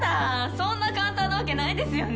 そんな簡単なわけないですよね？